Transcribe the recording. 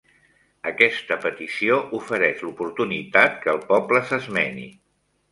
Aquesta petició ofereix l'oportunitat que el poble s'esmeni.